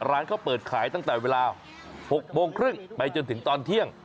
ร้านเขาเปิดขายตั้งแต่เวลา๖โมงครึ่งไปจนถึงตอนเที่ยง